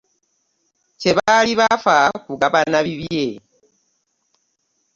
Kye baali bafa kugabana bibye.